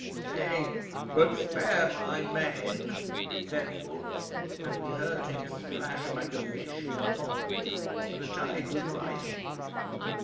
'"Nay; but spare my men," said Fulke; and we heard him splash like a fish in a pond, for the tide was rising.